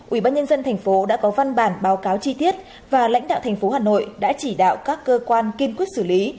ủy ban nhân dân thành phố đã có văn bản báo cáo chi tiết và lãnh đạo thành phố hà nội đã chỉ đạo các cơ quan kiên quyết xử lý